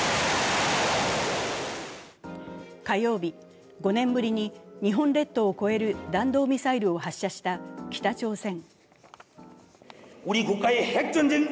火曜日、５年ぶりに日本列島を越える弾道ミサイルを発射した北朝鮮。